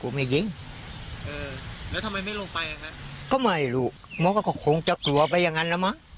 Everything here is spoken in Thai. ผมไม่ยิงเออแล้วทำไมไม่ลงไปก็ไม่รู้หมอก็คงจะกลัวไปอย่างนั้นแล้วมั้ง